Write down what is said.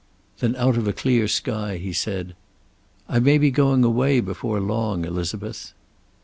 Then, out of a clear sky, he said: "I may be going away before long, Elizabeth."